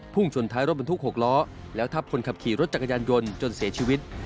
ชนท้ายรถบรรทุก๖ล้อแล้วทับคนขับขี่รถจักรยานยนต์จนเสียชีวิต